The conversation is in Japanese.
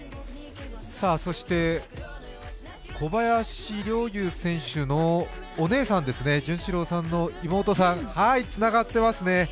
そして、小林陵侑選手のお姉さんですね、潤志郎さんの妹さん、つながっていますね。